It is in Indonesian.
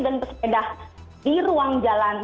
dan pesepeda di ruang jalan